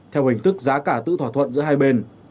theo hình thức giá cả tự thỏa thuận giữa hai bên